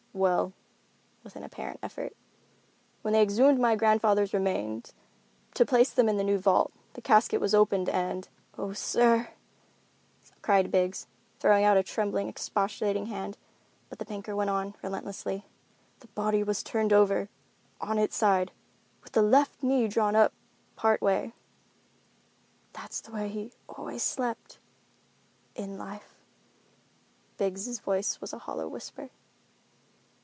"Well," with an apparent effort, "when they exhumed my grandfather's remains to place them in the new vault, the casket was opened, and——" "Oh, sir," cried Biggs, throwing out a trembling, expostulating hand, but the banker went on, relentlessly. "——the body was turned over, on its side, with the left knee drawn up part way." "That's the way he always slept—in life." Biggs' voice was a hollow whisper.